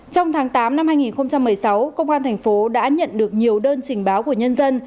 trong tháng tám năm hai nghìn một mươi sáu công an thành phố đã nhận được nhiều đơn trình báo của nhân dân